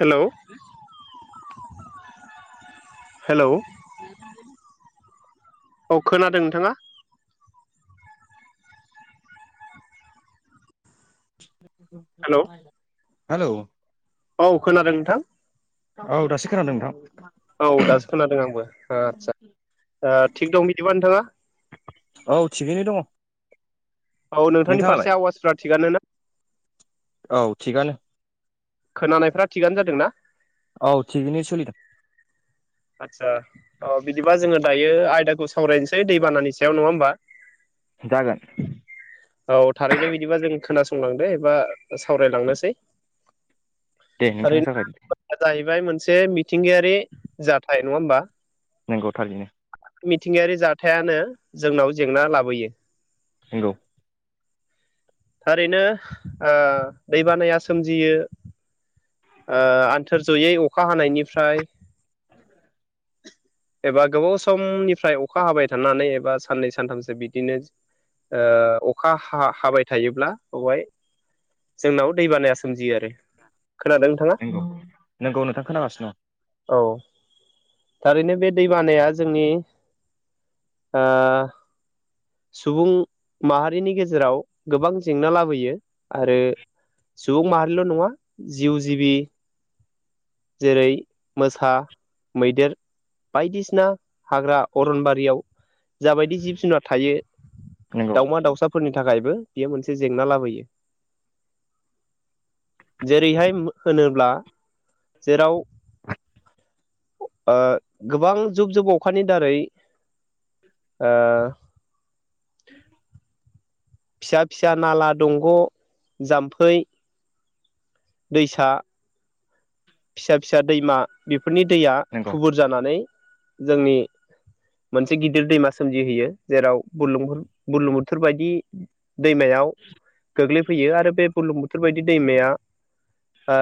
Hello hello औ खोनादों नोंथाङा हेलौ [unintelligible] [unintelligible] हालौ औ खोनादों नोंथां औ दासो खोनादों नोंथां औ दासो खोनादों आंबो आदसा ओ थिग दं बिदिबा नोंथाङा औ थिगैनो दङ औ नोंथांनि नोंथाङालाय फारसे आवाजफ्रा थिगानो ना औ थिगानो खोनानायफ्रा थिगानो जादों ना औ थिगैनो सोलिदों आतसा अ बिदिबा जोङो दायो आयदाखौ सावरायनोसै दैबानानि सायाव नङा होमबा जागोन बुंलांदो एबा सावरायलांनोसै दे नोंथाङा जागायदो सेमि मिथिंगायारि जाथाय नङा होमबा नंगौ थारैनो मिथिंगायारि जाथायानो जोंनाव जेंना लाबोयो नंगौ थारैनो ओ दैबानाया सोमजियो आन्थोर जयै अखा हानायनिफ्राय एबा गोबाव समनिफ्राय अखा हाबाय थानानै एबा साननै सानथामसो बिदिनो खोनादों नोंथाङा नंगौ नंगौ नोंथां खोनागासिनो दङ औ थारैनो बे दैबानाया जोंनि आ सुबुं माहारिनि गेजेराव गोबां जेंना लाबोयो आरो सुबुं माहारिल' नङा जिउ जिबि जेरै मोसा मैदेर बायदिसिना हाग्रा अरनबारियाव जाबायदि जिब जुनार थायो दं नंगौ दाउमा दाउसाफोरनि नि थाखायबो बेयो मोनसे जेंना लाबोयो जेरैहाय होनोब्ला जेराव गोबां जुब जुब अखानि दारै। [unintelligible] फिसा फिसा नाला दंग' जाम्फै। दैसा। फिसा फिसा दैमा बेफ। बेफोरनि दैया नंगौ थुबुर जानानै जोंनि मोनसे गिदिर दैमा सोमजिहैयो जेराव बुर्लुं बुर्लुंबुथुर बायदि दैमायाव गोग्लैफैयो आरो बे बुर्लुं बु बेफोरबायदि दैमाया ओ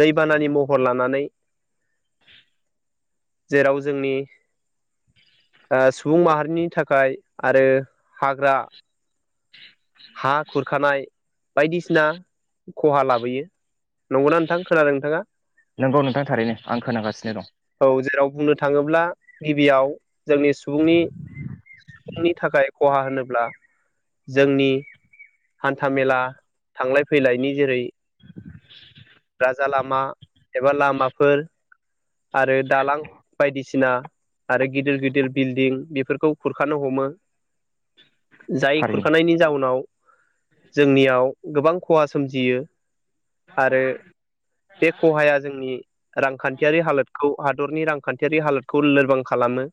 दै। बानानि महर लानानै जेराव जोंनि सुबुं माहारिनि थाखाय आरो हाग्रा हा खुरखानाय बायदिसिना खहा लाबोयो नंगौना नोंथां खोनादों नोंथाङा। नोंगौ नोंथां थारैनो आं खोनागासिनो दं। अब्ला गिबियाव जोंनि सुबुंनि सुबुंनि थाखाय खहा होनोब्ला जोंनि। हान्थ मेला थांलाय फैलायनि जेरै राजा लामा एबा लामाफोर आरो दालां बायदिसिना आरो गिदिर गिदिर बिल्डिं बेफोरखौ खुरखानो हमो जाय थारैनो खुरखानायनि जाउनाव। जोंनियाव गोबां खहा सोमजियो आरो बे खहाया जोंनि रांखान्थियारि हालोदखौ हादरनि रांखान्थियारि हालोदखौ लोरबां खालामो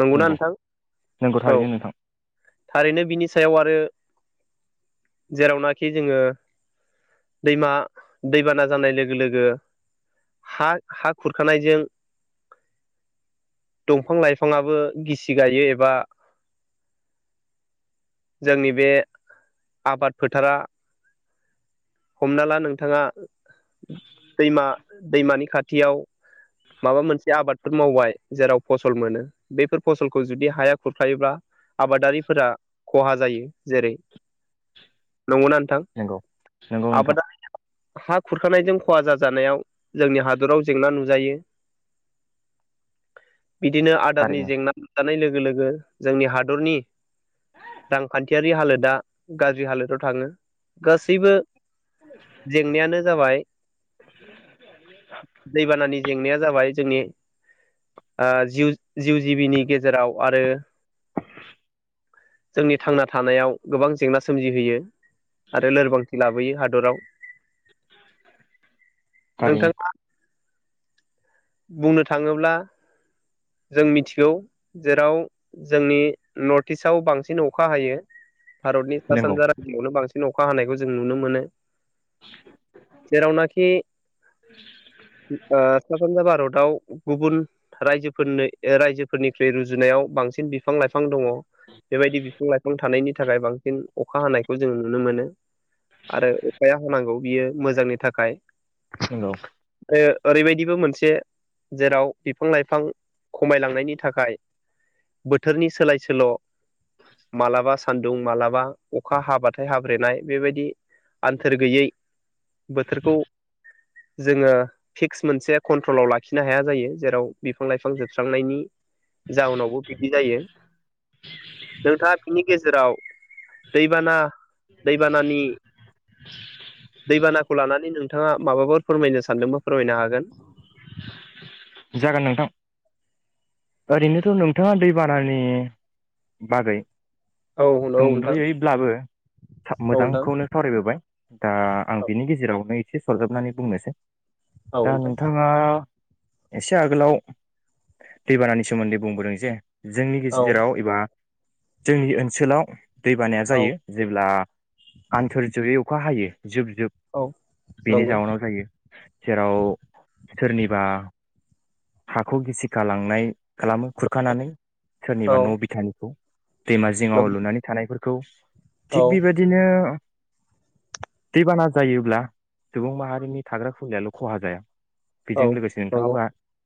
नंगौना नोंथां। नोंगौ औ थारैनो नोंथां।। थारैनो बिनि सायाव आरो जेरावनाखि जोङो दैमा दैबाना जानाय लोगो लोगो हा हा खुरखानायजों दंफां लाइफांआबो गिसि गायो एबा जोंनि बे आबाद फोथारा हमना ला नोंथाङा दैमा दैमानि खाथियाव माबा मोनसे आबादफोर मावबाय जेराव फसल मोनो बेफोर फसलखौ जुदि हाया खुरखायोब्ला आबादारिफोरा खहा जायो। जेरै नंगौना नोंथां? नंगौ नंगौ नोंथां आबादारि हा खुरखानायजों खहा जाजानायाव जोंनि हादराव जेंना नुजायो। बिदिनो आदारनि थारैनो जेंना जानाय लोग लोगो लोगो जोंनि हादरनि रांखान्थि यारि हालोदा गाज्रि हालोदाव थाङो। गासैबो जेंनायानो जाबाय दैबानानि जेंनाया जाबाय जोंनिओ जिउ जिउ जिबिनि गेजेराव आरो जोंनि थांना थानायाव गोबां जेंना सोमजिहोयो। आरो लोरबांथि लाबोयो हा दराव थारैनो नोंथांआ बुंनो थाङोब्ला जों मिथिगौ जेराव जोंनि नर्थ इस्टआव बांसिन अखा हायो। भारतनि सा नंगौ सानजा रायजोआवनो बांसिन अखा हानायखौ जों नुनो मोनो। जेरावनाखि ओ सा सानजा भारत आव गुबुन रायजोफोरनो रायजोफोरनिख्रुइ रुजुनायाव बांसिन बिफां लाइफां दङ'। बेबायदि बिफां लाइफां थानायनि थाखाय बांसिन अखा हानायखौ जों नुनो मोनो आरो अखाया हानांगौ बियो मोजांनि थाखाय नंगौ। ओ ओरैबायदिबो मोनसे जेराव बिफां लाइफां खमायलांनायनि थाखाय बोथोरनि सोलाय सोल' मालाबा सान्दुं मालाबा अखा हाबाथाय हाब्रेनाय बेबायदि आन्थोर गैयै बोथोरखौ जोङो फिक्स मोनसे कन्ट्रलाव लाखिनो हाया जायो जेराव बिफां लाइफां जोबस्रांनायनि जाउनावबो बिदि जायो। नोंथाङा बिनि गेजेराव दैबाना दैबानानि दैबानाखौ लानानै नोंथाङा माबाफोर फोरमायनो सानदोंबा फोरमायनो हागोन। जागोन नोंथां। ओरैनोथ' नोंथाङा दैबानानि बागै औ नोंथां सुंन्दुयैब्लाबो औ नोंथां मोजांखौनो सावरायबोबाय दा आं औ बिनि गेजेरावहाय एसे सरजाबनानै बुंनोसै। औ दा नोंथां नोंथाङा एसे आगोलाव दैबानानि सोमोन्दै बुंबोदों जे जोंनि औ गेजेराव एबा जोंनि ओनसोलाव दै बानाया औ जायो जेब्ला आन्थोरजयै अखा हायो जुब औ जुब बेनि नंगौ जाउनाव जायो । जेराव सोरनिबा हाखौ गिसि खालांनाय खालामो औ खुरखानानै सोरनिबा औ न' बिथानिखौ दैमा औ जिङाव लुनानै थानायफोर खौ थिग बेबायदिनो दैबाना जायोब्ला सुबुं माहारिनि थाग्रा खुंलियाल' खहा जाया । बेजों लोगोसे नोंथाङाबो नंगौ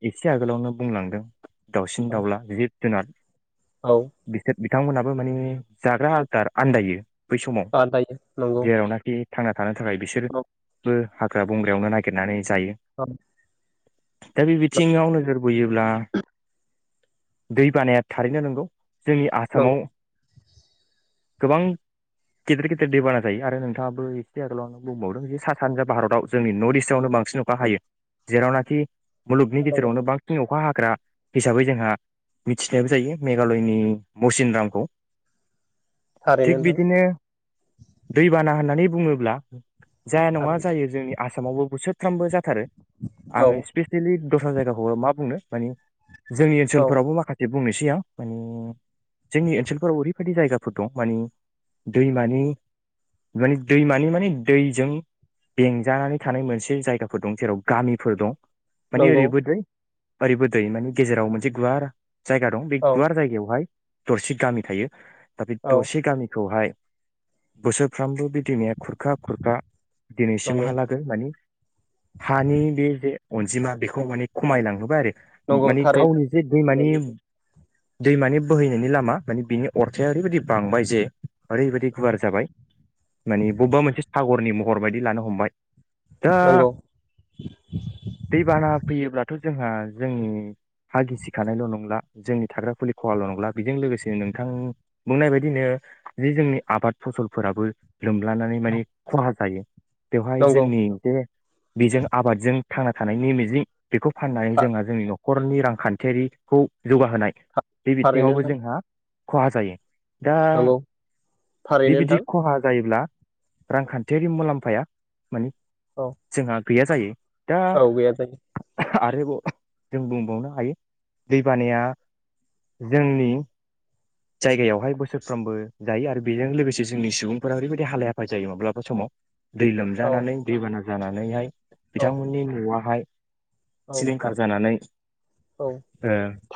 एसे आगोलावनो बुंलांदों दाउसिन औ दाउला जिब जुनार औ । बिथांमोनहाबो माने जाग्रा आदार आन्दायो [unintelligible] दायो नंगौ थाङा थानो थाखाय औ बिसोरबो हाग्रा बंग्रायावनो नागिरनानै जायो। औ दा बि दै बानाया थारैनो नोंगौ। जोंनि आसामाव। नंगौ गोबां गेदेर गेदेर दैबाना जायो आरो नोंथाङाबो एसे आगोलाव बुंबावदों जे सा सानजा भारताव जोंनि नर्थ इस्ट आवनो बांसिन अखा हायो जेरावनाखि। मुलुगनि नंगौ गेजेरावनो बां सिन अखा हाग्रा हिसाबै जोंहा मिथिनायबो जायो मेघालयनि मौसिनरामखौ। थारैनो थिग नोंथां बिदिनो दैबाना होनो होननानै बुङोब्ला जाया नङा थारैनो जायो जोंनि सामावबो बोसोरथामबो जाथारो औ आङो [unintelligible] बै द'स्रा जायगाखौ मा बुंनो माने जोंनि औ ओनसोलफोरावबो माखासे बुंनोसै आं माने जोंनि ओनसोलफोराव ओरैबायदि जायगाफोर दं माने दैमानि माने दैमानि माने दैजों बेंजानानै थानाय मोनसे जायगाफोर दं जेराव गामिफोर दं। माने नंगौ ओरैबो दै ओरैबो दै माने गेजेराव मोनसे गुवार जायगा दं बे औ गुवार जायगायावहाय। दरसे गामि थायो । दा बे औ दसे गामिखौहाय। बोसोरफ्रामबो बि दैमाया खुरखा खुरखा नंगौ दिनैसिमहालागै मानि हानि बे जे अनजिमा बेखौ माने खमायलांहोबाय आरो। नंगौ मानि थारैनो गावनि जे दैमानि दैमानि बोहैनायनि लामा माने बिनि अरथाया ओरैबायदि बांबाय जे ओरैबायदि गुवार जाबाय मानि बबेबा मोनसे सागरनि महर बायदि लानो हमबाय। दा नंगौ। दैबाना फैयोब्लाथ' जोंहा जोंनि हा गिसिखानायल' नंला जोंनि थाग्रा फुलि खहाल' नंला बेजों लोगोसे नोंथां बुंनाय बायदिनो जे जोंनि आबाद फसलफोराबो। लोमलानानै माने खहा जायो । नंगौ बेवहाय जोंनि बे बेजों आबादजों। थांना थानायनि मिजिं। बेखौ फाननानै था- जोंहा जोंनि न'ख न'खरनि रांखान्थियारिखौ जौगाहोनाय था- बे थारैनो बिथिङावबो नोंथां जोंहा खहा जायो । दा नंगौ थारैनो बेबायदि नोंथां खहा जायोब्ला रांखान्थियारि मुलाम्फाया माने औ जोंहा गैया जायो । औ गैया जायो । आरोबाव जों बुंबावनो हायो दैबानाया जोंनि जायगायावहाय बोसोरफ्रोमबो जायो आरो बेजों लोगोसे जोंनि सुबुंफोरा ओरैबायदि हालाय हाफाय जायो माब्लाबा समाव दै औ लोमजानानै दैबाना जानानैहाय औ बिथांमोननि न'वावहाय औ सिलिंखार जानानै औ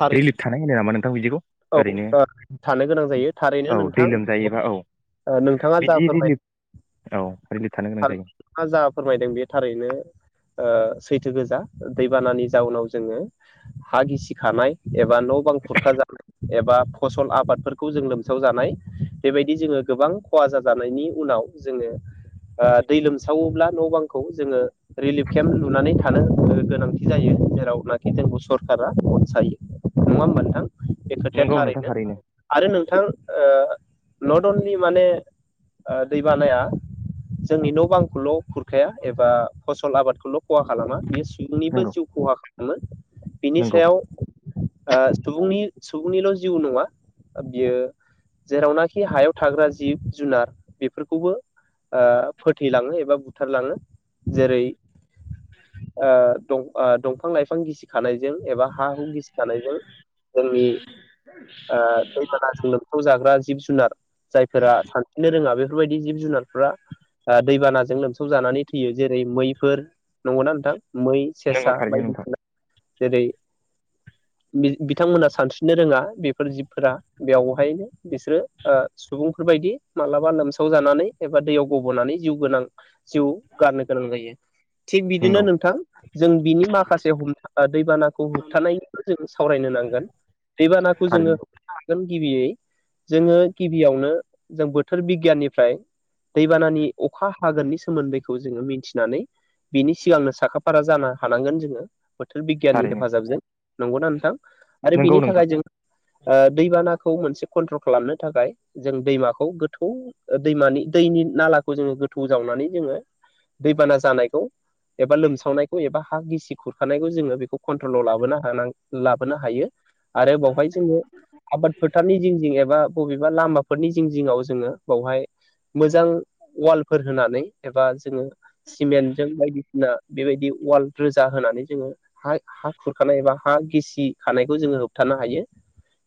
थारै थानाय‌ होनो नामा नों [unintelligible] बिदिखौ औ ओरैनो [unintelligible] थानो गोनां जायो थारैनो औ नोंथां दै लोमजायोबा औ ओ नोंथाङा जा बिदि फोरमाय रिलिफ औ रिलिफ थानो गोनां जायो थाङा जा फोरमायदों बे थारैनो ओ सैथो गोजा दैबानानि जाउनाव जोङो हा गिसिखानाय एबा न बां खुरखा जानाय एबा फसल आबादफोरखौ जों लोमसावजानाय बेबायदि जोङो गोबां खहा जाजानायनि उनाव जोङो ओ दै लोमसावोब्ला न बांखौ जोङो रिलिफ केम्प नुनानै थानो गोनांथि जायो जेरावनाखि जोंखौ सरकारा अदसायो । नङा होमबा नोंथां? बे खोथाया नंगौ नोंथां थारैनो आरो नोंथां ओ नट अनलि माने दैबानाया जोंनि न बांखौल खुरखाया एबा फसल आबादखौल खहा खालामा बियो सु बोनिबो नंगौ जिउ खहा मोन बिनि नंगौ सायाव ओ सुबुंनि सुबुंनिल जिउ नङा बियो जेरावनाखि हायाव थाग्रा जिब जुनार बेफोरखौबो ओ फोथैलाङो एबा बुथारलाङो जेरै ओ दंफां लाइफां गिसि खानाय जों एबा हा हु गिसिखानायजों जोंनि ओ दैबानाजों लोमफाव जा ग्रा जिब जुनार जायफोरा सानस्रिनो रोङा बे बेफोरबायदि जिब जुनारफोरा दैबान जों लोमसा खौ जानानै थैयो जेरै मैफोर नंगौना नोंथां? मै नंगौ सेसा थारैनो नोंथां बायदिसिना जेरै [unintelligible] बिथांमोना सानस्रिनो रोङा बेफोर जिबफोरा बेवहाय बिसोरो ओ सुबुंफोरबायदि मालाबा लोमसाव जानानै एबा दैयाव गब'नानै जिउ गोनां जिउ गारनो गोनां जायो थिग बिदिनो नंगौ नोंथां जों बिनि माखासे हमथा दैबानाखौ होबथानायनिबो जों सावरायनो नांगोन गोन दैबानाखौ जोङो थारैनो [unintelligible] हागोन गिबियै जोङो गिबियावनो जों बोथोर बिगियाननिफ्राय दैबानानि अखा हागोननि सोमोन्दैखौ जोङो मिथिनानै बिनि सिगांनो साखा फारा जानो हानांगोन जोङो। बोथोर बिगियाननि थारैनो हेफाजाबजों नंगौना नोंथां? आरो नंगौ बिनि नोंथां थाखाय जों ओ दैबानाखौ मोनसे कन्ट्रल खालामनो थाखाय जों दैमाखौ गोथौ दैमानि दैनि नालाखौ जोङो गोथौ जावनानै जोङो दैबाना जानायखौ एबा लोमसावनायखौ एबा हा गिसि खुरखानायखौ जोङो बेखौ कन्ट्रलाव लाबोनो हानां लाबोनो हायो। आरो बावहाय जोङो आबाद फोथारनि जिं जिं एबा बबेबा लामाफोरनि जिं जिङाव जोङो बावहाय मोजां वालफोर होनानै एबा जोङो सिमेन्टजों बायदिसिना बेबायदि वाल रोजा होनानै जोङो हा हा खुरखानाय एबा हा गिसि खानाय खौ जोङो होबथानो हायो।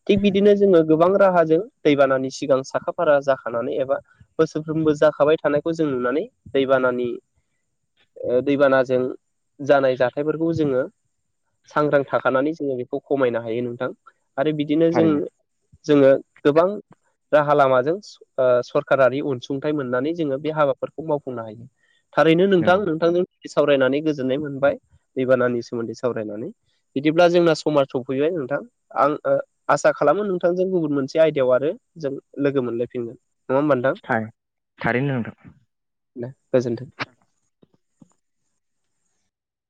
थिग बिदिनो जोङो गोबां राहाजों दैबानानि सिगां साखा फारा जाखानानै एबा बोसोरफ्रोमबो जाखाबाय थानायखौ जों नुनानै दैबानानि ओ दैबानाजों जानाय जाथायफोरखौ जोङो सांग्रां थाखानानै जोङो बेखौ खमायनो हायो नोंथां। आरो बिदिनो जों थारैनो जोङो गोबां राहा लामाजों आ सरकारारि अनसुंथाइ मोननानै जोङो बे हाबाफोरखौ मावफुंनो हायो। थारैनो नोंथां नंगौ नोंथांजों सावरायनानै गोजोननाय मोनबाय दैबानानि सोमोन्दै सावरायनानै बिदिब्ला जोंना समा सफैबाय नोंथां आं ओ आसा खालामो नोंथांजों गुबुन मोनसे आयदायाव आरो जों लोगो मोनलायफिनगोन। नङा होमबा नोंथां? थाय थारैनो नोंथां। नो गोजोनथों।